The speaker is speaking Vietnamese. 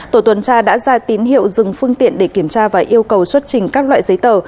tổ tuần tra đã ra tín hiệu dừng phương tiện để kiểm tra và yêu cầu xuất trình các loại giấy tờ